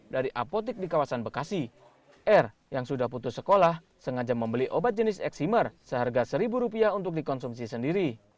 dari apotik di kawasan bekasi r yang sudah putus sekolah sengaja membeli obat jenis eksimer seharga seribu rupiah untuk dikonsumsi sendiri